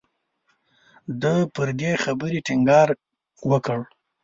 ده پر دې خبرې ټینګار وکړ.